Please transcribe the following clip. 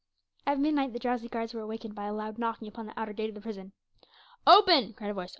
At midnight the drowsy guards were awakened by a loud knocking upon the outer gate of the prison. "Open!" cried a voice.